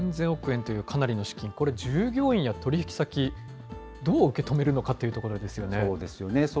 ３０００億円というかなりの資金、これ、従業員や取り引き先、どう受け止めるのかっていうところですよね。